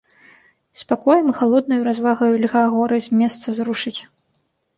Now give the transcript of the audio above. Спакоем і халоднаю развагаю льга горы з месца зрушыць.